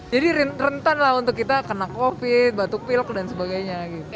jadi rentan lah untuk kita kena covid batuk pilk dan sebagainya lagi